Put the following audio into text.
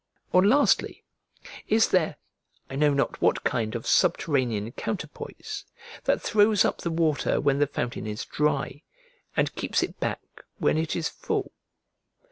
Or lastly, is there I know not what kind of subterranean counterpoise, that throws up the water when the fountain is dry, and keeps it back when it is full?